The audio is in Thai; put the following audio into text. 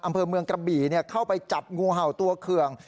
อำเภอเมืองกระบี่เข้าไปจับงูเห่าตัวเคือง